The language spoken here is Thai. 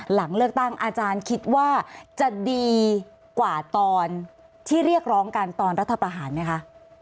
หลังเลือกตั้งอาจารย์คิดว่าจะดีกว่าตอนที่เรียกร้องกันตอนรัฐประหารไหมคะ